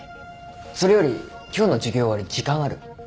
それより今日の授業終わり時間ある？